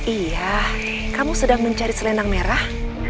iya kamu sedang mencari selendang merah